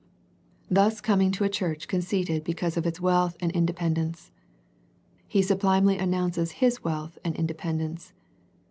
Thus coming to a church conceited because of its wealth and independence. He sublimely announces His wealth and independence.